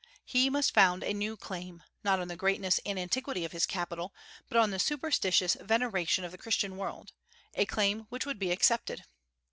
He must found a new claim, not on the greatness and antiquity of his capital, but on the superstitious veneration of the Christian world, a claim which would be accepted.